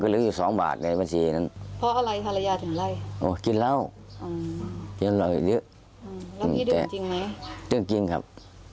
ดูจริงครับ